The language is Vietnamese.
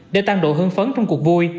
để tăng độ hương phấn trong cuộc vui